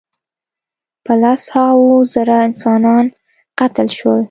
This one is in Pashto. په لس هاوو زره انسانان قتل شول.